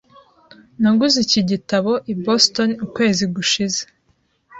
Naguze iki gitabo i Boston ukwezi gushize .